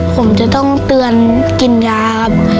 ผมจะต้องเตือนกินยาครับ